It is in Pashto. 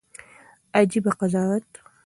عجيبه قضاوت